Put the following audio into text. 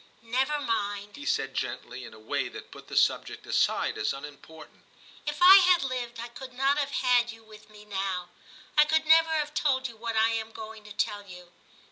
' Never mind,' he said gently, in a way that put the subject aside as unimportant. * If I had lived I could not have had you with me now. I could never have told you what I am going to tell you.